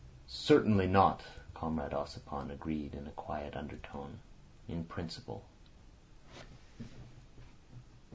"Certainly not," Comrade Ossipon agreed in a quiet undertone. "In principle."